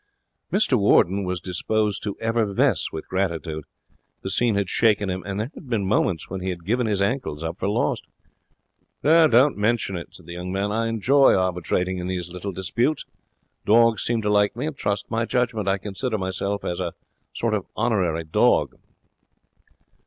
Mr Warden was disposed to effervesce with gratitude. The scene had shaken him, and there had been moments when he had given his ankles up for lost. 'Don't mention it,' said the young man. 'I enjoy arbitrating in these little disputes. Dogs seem to like me and trust my judgement. I consider myself as a sort of honorary dog.'